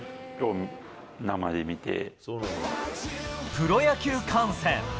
プロ野球観戦。